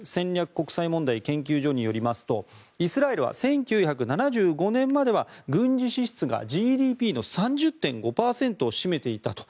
国際問題研究所によりますとイスラエルは１９７５年までは軍事支出がＧＤＰの３０．５％を占めていたと。